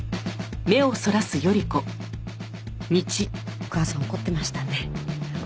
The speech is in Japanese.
お母さん怒ってましたね。